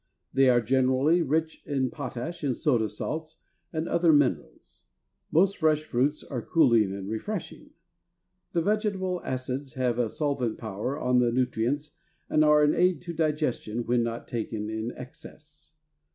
They are generally rich in potash and soda salts and other minerals. Most fresh fruits are cooling and refreshing. The vegetable acids have a solvent power on the nutrients and are an aid to digestion when not taken in excess.